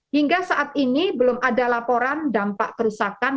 hingga saat ini belum ada laporan dampak kerusakan